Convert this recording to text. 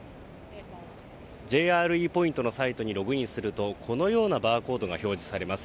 ＪＲＥポイントのサイトにログインすると、このようなバーコードが表示されます。